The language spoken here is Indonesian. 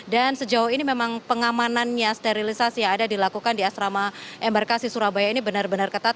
dan sejauh ini memang pengamanannya sterilisasi yang ada dilakukan di asrama embarkasi surabaya ini benar benar ketat